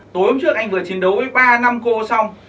tối hôm trước anh vừa chiến đấu với ba năm cô xong